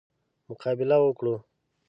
مقابله وکړو.